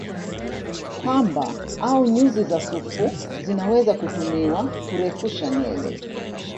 Pamba au nyuzi za sufu zinaweza kutumiwa kurefusha nywele